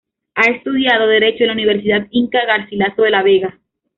Ha estudiado derecho en la Universidad Inca Garcilaso de la Vega.